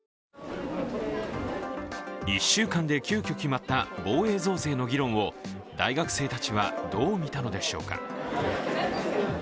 １週間で急きょ決まった防衛増税の議論を大学生たちはどう見たのでしょうか。